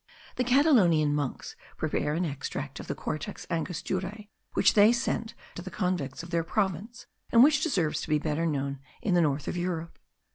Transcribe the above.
The Catalonian monks prepare an extract of the Cortex angosturae which they send to the convents of their province, and which deserves to be better known in the north of Europe.